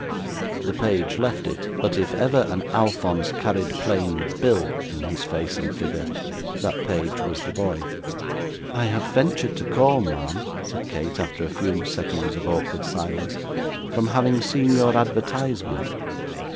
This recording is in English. The page left it; but if ever an Alphonse carried plain Bill in his face and figure, that page was the boy. 'I have ventured to call, ma'am,' said Kate, after a few seconds of awkward silence, 'from having seen your advertisement.